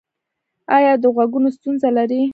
ایا د غوږونو ستونزه لرئ؟